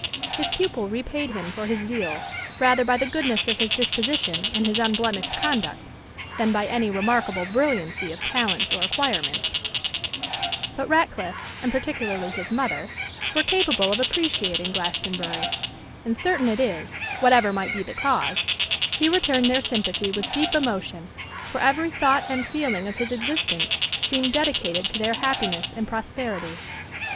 His pupil repaid him for his zeal rather by the goodness of his disposition and his unblemished conduct, than by any remarkable brilliancy of talents or acquirements: but Ratcliffe, and particularly his mother, were capable of appreciating Glastonbury; and certain it is, whatever might be the cause, he returned their sympathy with deep emotion, for every thought and feeling of his existence seemed dedicated to their happiness and prosperity.